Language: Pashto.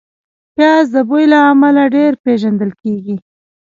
پیاز د بوی له امله ډېر پېژندل کېږي